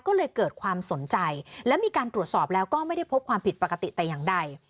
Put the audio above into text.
ก็เลยเกิดความสนใจและมีการตรวจสอบแล้วก็ไม่ได้พบความผิดปกติแต่อย่างใด